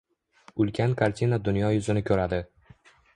Ulkan kartina dunyo yuzini ko‘radi.